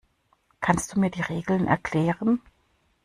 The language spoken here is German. Kannst du mir die Regeln erklären?